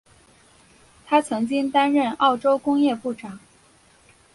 他曾经担任澳洲工业部长。